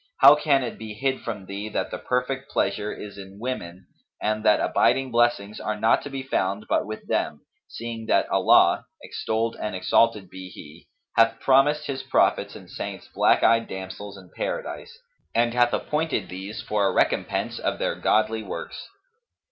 how can it be hid from thee that the perfect pleasure is in women and that abiding blessings are not to be found but with them, seeing that Allah (extolled and exalted be He!) hath promised His prophets and saints black eyed damsels in Paradise and hath appointed these for a recompense of their godly works.